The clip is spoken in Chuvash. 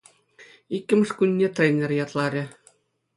Иккӗмӗш кунне тренер ятларӗ.